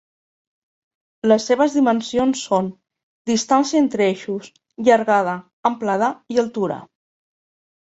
Les seves dimensions són: distancia entre eixos, llargada, amplada i altura.